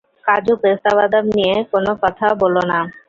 কাজু-পেস্তাবাদাম নিয়ে কোনো কথা বলো না।